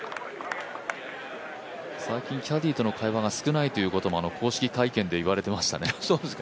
最近キャディーとの会話も少ないということも公式会見で言われていましたね。